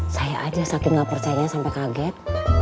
saya aja saking gak percaya sampai kaget